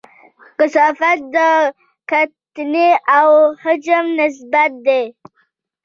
کثافت د کتلې او حجم نسبت دی.